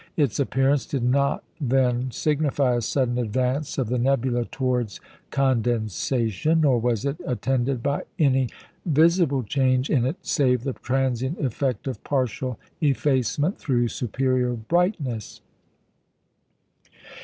Its appearance did not then signify a sudden advance of the nebula towards condensation, nor was it attended by any visible change in it save the transient effect of partial effacement through superior brightness.